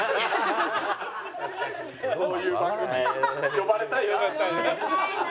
呼ばれたいな。